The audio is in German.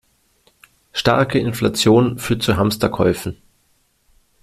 Starke Inflation führt zu Hamsterkäufen.